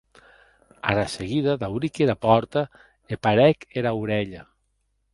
Ara seguida dauric era pòrta e parèc era aurelha.